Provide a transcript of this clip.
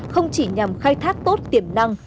không chỉ nhằm khai thác tốt tiềm năng